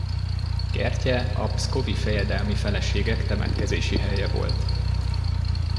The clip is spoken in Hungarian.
Kertje a pszkovi fejedelmi feleségek temetkezési helye volt.